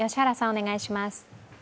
お願いします。